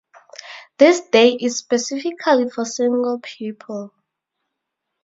This day is specifically for single people.